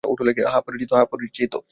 হ্যাঁ পড়েছি তো।